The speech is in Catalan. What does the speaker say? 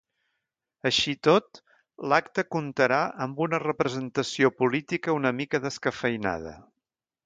Així i tot, l’acte comptarà amb una representació política una mica descafeïnada.